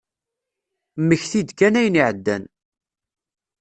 Mmekti-d kan ayen iɛeddan.